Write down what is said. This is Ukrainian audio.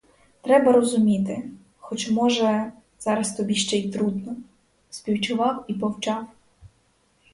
Треба розуміти, хоч, може, зараз тобі ще й трудно, — співчував і повчав.